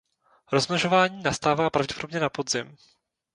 Rozmnožování nastává pravděpodobně na podzim.